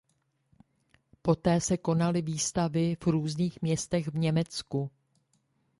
Poté se konaly výstavy v různých městech v Německu.